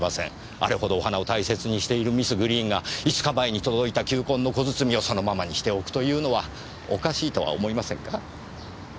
あれほどお花を大切にしているミス・グリーンが５日前に届いた球根の小包をそのままにしておくというのはおかしいとは思いませんか？